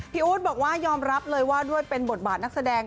อู๊ดบอกว่ายอมรับเลยว่าด้วยเป็นบทบาทนักแสดง